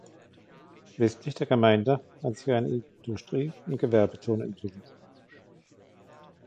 Westlich der Gemeinde hat sich eine Industrie- und Gewerbezone entwickelt.